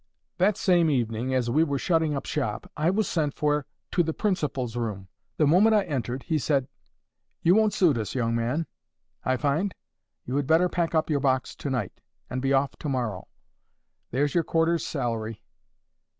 That same evening, as we were shutting up shop, I was sent for to the principal's room. The moment I entered, he said, 'You won't suit us, young man, I find. You had better pack up your box to night, and be off to morrow. There's your quarter's salary.